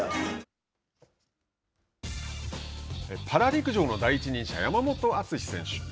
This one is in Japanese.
パラ陸上の第一人者山本篤選手。